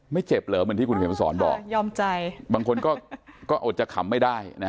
เจ็บเหรอเหมือนที่คุณเขียนมาสอนบอกยอมใจบางคนก็อดจะขำไม่ได้นะฮะ